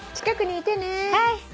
近くにいてね。